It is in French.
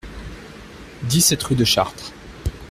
dix-sept rue de Chartres